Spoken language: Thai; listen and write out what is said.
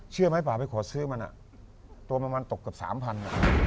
เชื่อมั้ยป่าไปขอซื้อมันตัวมันตกกับ๓๐๐๐บาท